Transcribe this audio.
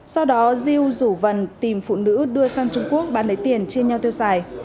sau đó diêu rủ vần tìm phụ nữ đưa sang trung quốc bán lấy tiền chia nhau tiêu xài